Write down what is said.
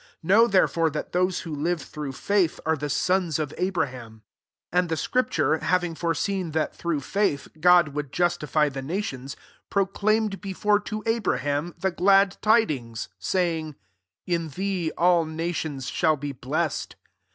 7 Know therefore, that those who live through faith are the sons of Abraham. 8 And the scripture, having fore seen that through faith, God would justify the nations, pro* claimed, before to Abraham, th( glad tidings, saying^ " In thee all nations shall be blessed.